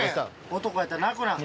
男やったら泣くな。